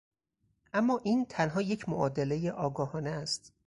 اما این تنها یک معادله آگاهانه است.